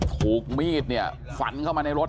ถูกมีดเนี่ยฟันเข้ามาในรถ